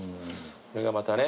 これがまたね。